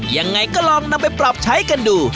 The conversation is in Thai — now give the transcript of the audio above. ยังไงก็ลองนำไปปรับใช้กันดู